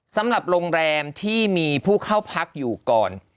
สำหรับโรงแรมที่มีผู้เข้าพักอยู่ก่อน